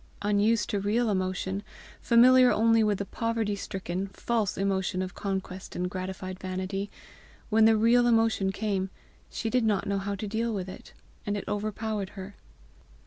Unused to real emotion, familiar only with the poverty stricken, false emotion of conquest and gratified vanity, when the real emotion came she did not know how to deal with it, and it overpowered her.